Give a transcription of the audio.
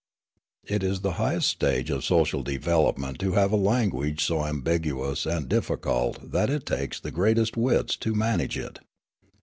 It is the highest stage of social development to have a language so ambiguous and difficult that it takes the greatest wits to manage it.